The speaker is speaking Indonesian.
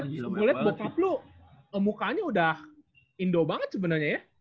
tapi gue liat bokap lu mukanya udah indo banget sebenarnya ya